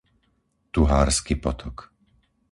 Tuhársky potok